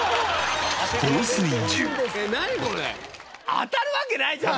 当たるわけないじゃん！